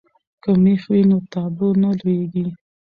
که مېخ وي نو تابلو نه لویږي.